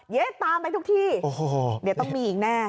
เย้ตามไปทุกที่ต้องมีอีกแน่